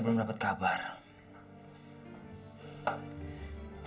belum ada perkembangannya